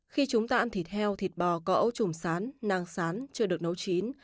khi chúng ta ăn thịt heo thịt bò có ấu trùng sán nàng sán chưa được nấu chín